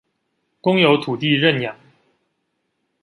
公有土地認養